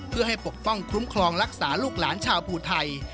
เพื่อให้ปกป้องคุ้มครองรักษาลูกหลานชาวภูไทย